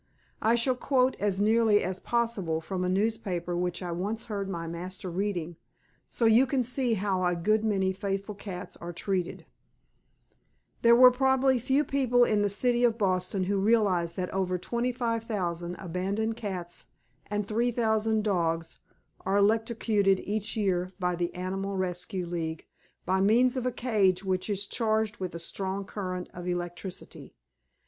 I shall quote as nearly as possible from a newspaper which I once heard my master reading, so you can see how a good many faithful cats are treated: "There are probably few people in the city of Boston who realize that over 25,000 abandoned cats and 3,000 dogs are electrocuted each year by the Animal Rescue League, by means of a cage which is charged with a strong current of electricity.